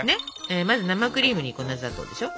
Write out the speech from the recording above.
まず生クリームに粉砂糖でしょ。